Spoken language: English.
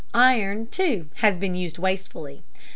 Iron, too, has been used wastefully.